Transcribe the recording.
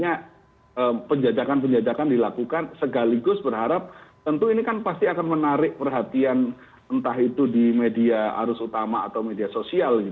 karena penjajakan penjajakan dilakukan segaligus berharap tentu ini kan pasti akan menarik perhatian entah itu di media arus utama atau media sosial